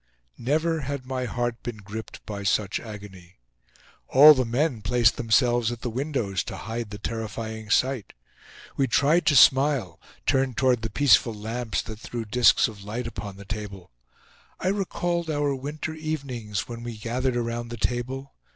Never had my heart been gripped by such agony. All the men placed themselves at the windows to hide the terrifying sight. We tried to smile, turned toward the peaceful lamps that threw discs of light upon the table. I recalled our winter evenings, when we gathered around the table.